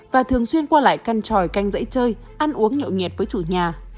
và thường xuyên qua lại căn tròi canh dãy chơi ăn uống nhậu nhiệt với chủ nhà